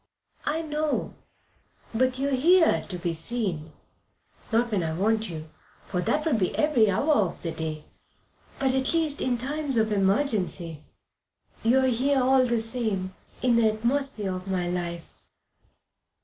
"I know. But you are here to be seen not when I want you, for that would be every hour of the day but, at least, in times of emergency. You are here, all the same, in the atmosphere of my life."